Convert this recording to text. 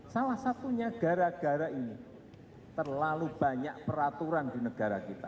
salah satunya gara gara ini terlalu banyak peraturan di negara kita